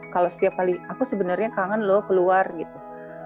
kalau setiap kali aku sebenarnya kangen loh keluar gitu